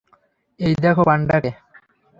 এই দেখো পান্ডাকে।